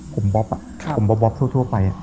ผมบ๊อบย่าผมบ็อบเท่าไป